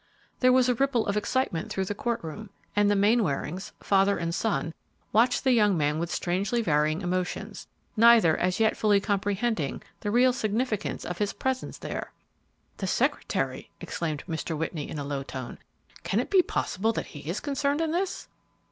There was a ripple of excitement through the court room, and the Mainwarings, father, and son, watched the young man with strangely varying emotions, neither as yet fully comprehending the real significance of his presence there. "The secretary!" exclaimed Mr. Whitney, in a low tone. "Can it be possible that he is concerned in this?"